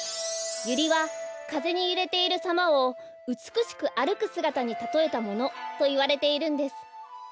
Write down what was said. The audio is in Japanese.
ユリはかぜにゆれているさまをうつくしくあるくすがたにたとえたものといわれているんです。